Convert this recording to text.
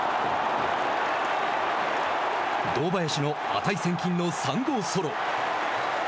堂林の値千金の３号ソロ。